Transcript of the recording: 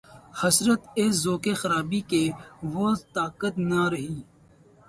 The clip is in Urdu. حسرت! اے ذوقِ خرابی کہ‘ وہ طاقت نہ رہی